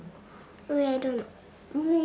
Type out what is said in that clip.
植えるの。